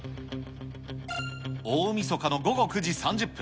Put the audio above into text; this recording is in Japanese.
大みそかの午後９時３０分。